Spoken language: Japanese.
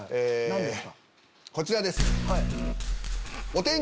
こちらです。